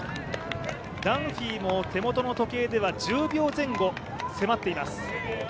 ダンフィーも手元の時計では１０秒前後、迫っています。